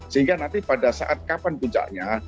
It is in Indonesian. sehingga nanti pada saat kapan puncaknya